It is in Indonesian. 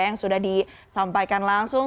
yang sudah disampaikan langsung